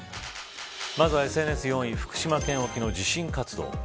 まずはＳＮＳ４位福島県沖の地震活動。